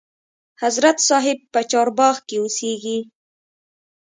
حضرت صاحب په چارباغ کې اوسیږي.